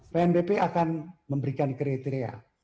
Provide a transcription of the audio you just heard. pnbp akan memberikan kriteria